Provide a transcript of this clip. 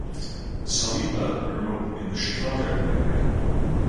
Saliba grew up in the Chicago area.